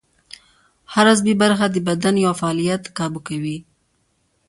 هر عصبي برخه د بدن یو فعالیت کابو کوي